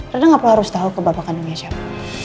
rina enggak perlu harus tahu ke bapak kandungnya siapa